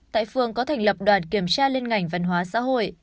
tại phường có thành lập đoàn kiểm tra liên ngành văn hóa xã hội